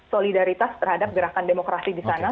solidaritas terhadap gerakan demokrasi di sana